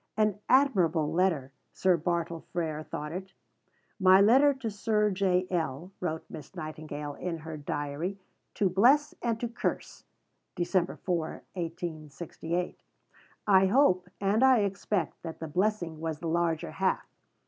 An "admirable" letter, Sir Bartle Frere thought it; "my letter to Sir J. L.," wrote Miss Nightingale in her diary, "to bless and to curse" (Dec. 4, 1868). I hope, and I expect, that the blessing was the larger half.